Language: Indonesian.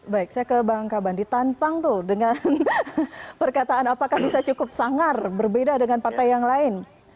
baik saya ke bang kaban ditantang tuh dengan perkataan apakah bisa cukup sangar berbeda dengan partai yang lain